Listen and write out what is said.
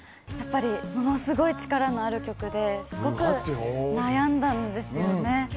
ものすごい力のある曲で、すごく悩んだんですよね。